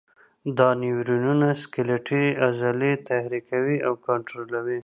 دا نیورونونه سکلیټي عضلې تحریکوي او کنټرولوي.